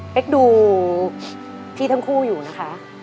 ดูพี่ทั้งคู่อยู่นะคะ